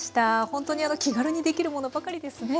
ほんとに気軽にできるものばかりですね。